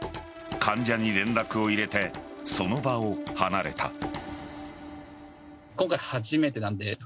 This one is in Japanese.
患者に連絡を入れてその場を離れた。